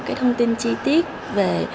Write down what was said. cái thông tin chi tiết về